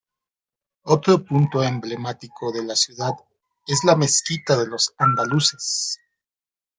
Otro punto emblemático de la ciudad es la Mezquita de los Andaluces.